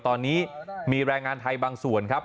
ตอนนี้มีแรงงานไทยบางส่วนครับ